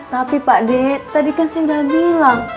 tapi pak d tadi kan saya udah bilang